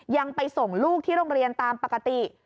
ยังไปส่งลูกที่โรงเรียนตามปกติ